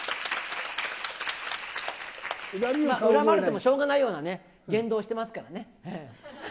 恨まれてもしょうがないような言動してますからね。